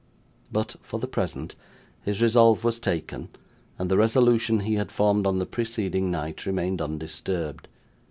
But, for the present, his resolve was taken, and the resolution he had formed on the preceding night remained undisturbed.